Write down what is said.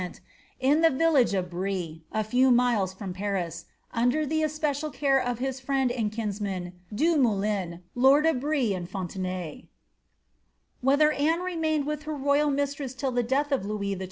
198 ▼ent, in the Tillage of Brie, a few miles from Paris, under the especial care of his friend and kinsman Du Moulin, lord of firie and Fontenaye.' Whether Anne remained with her roynl mistress till the death of Louis XII.